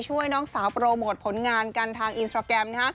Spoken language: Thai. ช่วยน้องสาวโปรโมทผลงานกันทางอินสตราแกรม